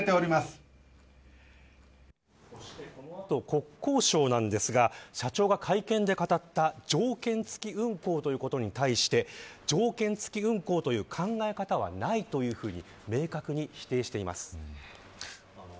国交省ですが社長が会見で語った条件付き運航ということに対して条件付き運航という考え方はないと明確に否定しています。